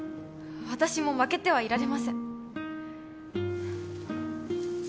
私も負けてはいられません